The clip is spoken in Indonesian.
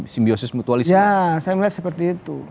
simbiosis mutualisme ya saya melihat seperti itu